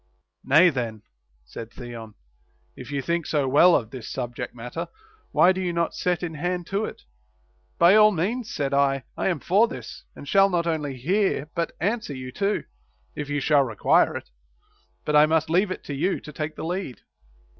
Nay then, said Theon, if you think so well of this subject matter, why do you not set in hand to it \ By all means, said I, I am for this, and shall not only hear but answer you too, if you shall require it. But Τ must leave it to you to take the lead.